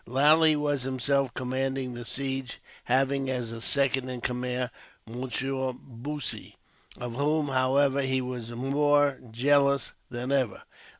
Lally was himself commanding the siege, having as his second in command Monsieur Bussy, of whom, however, he was more jealous than ever.